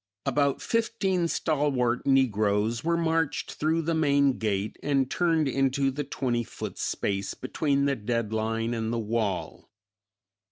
About fifteen stalwart negroes were marched through the main gate and turned into the twenty foot space between the dead line and the wall.